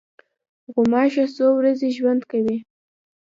غوماشه څو ورځې ژوند کوي.